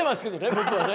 僕はね。